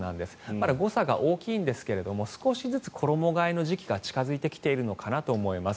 まだ誤差が大きいんですが少しずつ衣替えの時期が近付いてきているのかなと思います。